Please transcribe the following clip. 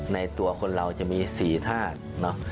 ในตัวคนเราจะมี๔ธาตุเนอะ